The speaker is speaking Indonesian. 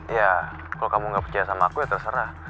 ya kalau kamu gak percaya sama aku ya terserah